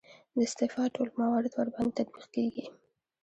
د استعفا ټول موارد ورباندې تطبیق کیږي.